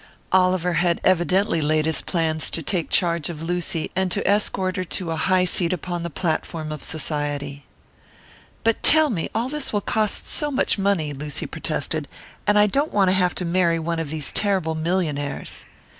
Oliver had evidently laid his plans to take charge of Lucy, and to escort her to a high seat upon the platform of Society. "But tell me, all this will cost so much money!" Lucy protested. "And I don't want to have to marry one of these terrible millionaires."